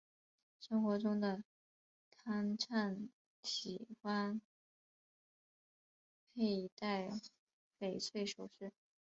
生活中的汤灿喜欢佩戴翡翠首饰。